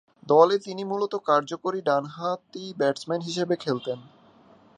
দলে তিনি মূলতঃ কার্যকরী ডানহাতি ব্যাটসম্যান হিসেবে খেলতেন।